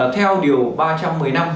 theo điều ba trăm một mươi năm